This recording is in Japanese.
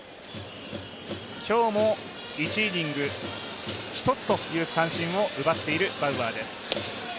今日も１イニング１つという三振を奪っているバウアーです。